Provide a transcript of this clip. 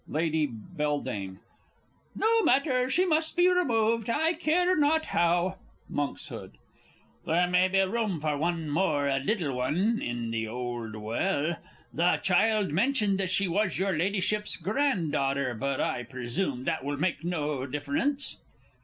Lady B. No matter, she must be removed I care not how. Monks. There may be room for one more a little one in the old well. The child mentioned that she was your Ladyship's granddaughter, but I presume that will make no difference?